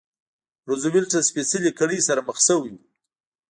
روزولټ له سپېڅلې کړۍ سره مخ شوی و.